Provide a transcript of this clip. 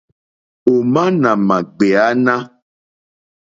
Ò má nà mà ɡbèáná.